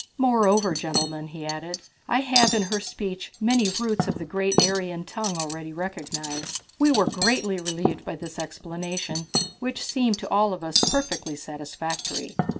"Moreover, gentlemen," he added, "I have in her speech many roots of the great Aryan tongue already recognized." We were greatly relieved by this explanation, which seemed to all of us perfectly satisfactory.